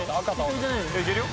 いけるよ。